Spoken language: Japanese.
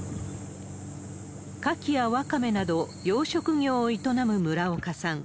カキやワカメなど、養殖業を営む村岡さん。